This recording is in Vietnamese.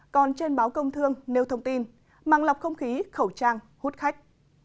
còn trên báo công thương nêu thông tin màng lọc không khí khẩu trang hút khách